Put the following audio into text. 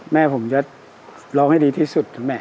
แม่ผมจะร้องให้ดีที่สุดถึงแม่